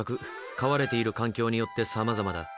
飼われている環境によってさまざまだ。